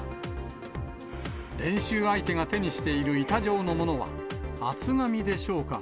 練習相手が手にしている板状のものは厚紙でしょうか。